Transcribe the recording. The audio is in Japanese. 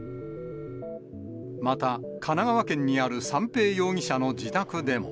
また神奈川県にある三瓶容疑者の自宅でも。